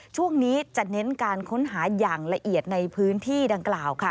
ช่วงนี้จะเน้นการค้นหาอย่างละเอียดในพื้นที่ดังกล่าวค่ะ